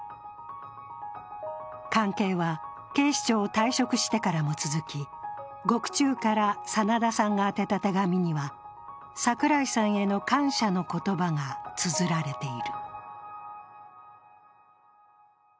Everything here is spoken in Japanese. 関係は警視庁を退職してからも続き、獄中から真田さんが宛てた手紙には櫻井さんへの感謝の言葉がつづられている。